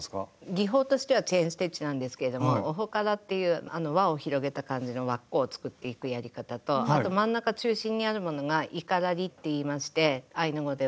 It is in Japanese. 技法としてはチェーン・ステッチなんですけども「オホカラ」っていう輪を広げた感じの輪っかを作っていくやり方とあと真ん中中心にあるものが「イカラリ」っていいましてアイヌ語では。